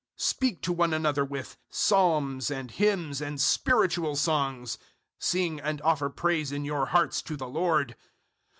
Speak to one another with psalms and hymns and spiritual songs. Sing and offer praise in your hearts to the Lord.